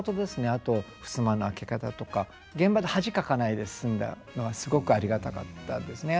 あとふすまの開け方とか。現場で恥かかないで済んだのはすごくありがたかったですね。